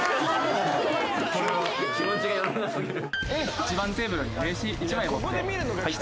気持ちが読めなすぎる